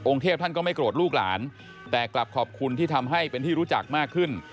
เทพท่านก็ไม่โกรธลูกหลานแต่กลับขอบคุณที่ทำให้เป็นที่รู้จักมากขึ้น